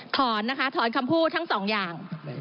ถอนนะคะถอนคำพูดทั้งสองอย่าง